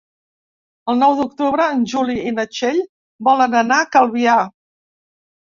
El nou d'octubre en Juli i na Txell volen anar a Calvià.